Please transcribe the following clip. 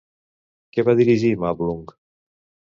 Què va dirigir Màblung?